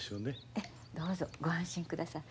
ええどうぞご安心ください。